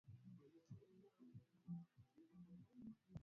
Maalim Seif kwa kuwataka Wazanzibari msinichagulie shikamoo